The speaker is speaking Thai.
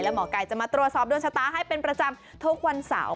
หมอไก่จะมาตรวจสอบดวงชะตาให้เป็นประจำทุกวันเสาร์